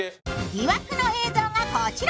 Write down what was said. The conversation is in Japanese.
疑惑の映像がこちら。